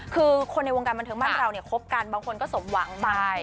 คือคนในวงการบันเทิงบ้านเราเนี่ยคบกันบางคนก็สมหวังไป